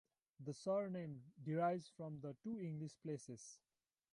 The surname derives from the two English places.